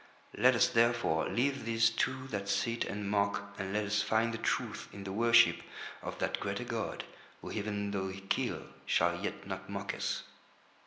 Let us therefore leave these two that sit and mock and let us find the truth in the worship of that greater god, who even though he kill shall yet not mock us."